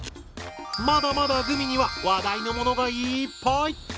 まだまだグミには話題のものがいっぱい！